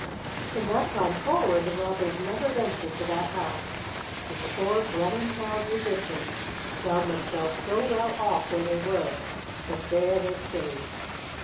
From that time forward the robbers never ventured to that house, and the four Bremen town musicians found themselves so well off where they were, that there they stayed.